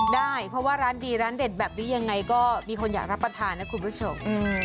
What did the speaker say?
ได้เพราะว่าร้านดีร้านเด็ดแบบนี้ยังไงก็มีคนอยากรับประทานนะคุณผู้ชม